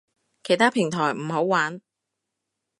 其他平台唔好玩